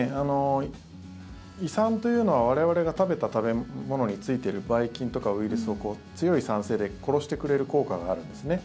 胃酸というのは我々が食べた食べ物についているばい菌とかウイルスを強い酸性で殺してくれる効果があるんですね。